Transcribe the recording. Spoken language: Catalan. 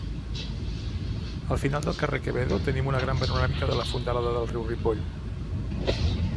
Al final del carrer Quevedo tenim una gran panoràmica de la fondalada del riu Ripoll.